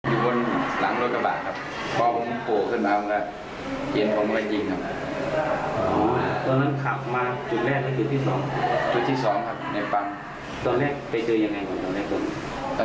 อีบมันคุกให้มามันคุกอะมาไหล่ฟัน